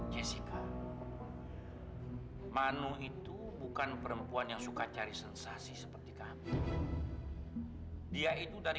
hei jangan lari kamu jangan lari